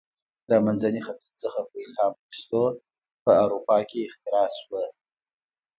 له منځني ختیځ څخه په الهام اخیستو په اروپا کې اختراع شوه.